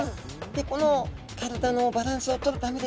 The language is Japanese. この体のバランスをとるためでしょうか？